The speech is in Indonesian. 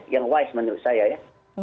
yang wise menurut saya ya